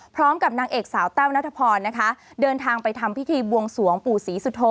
พร้อมกับนางเอกสาวแต้วนัทพรนะคะเดินทางไปทำพิธีบวงสวงปู่ศรีสุโธ